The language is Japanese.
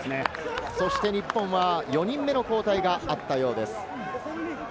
日本は４人目の交代があったようです。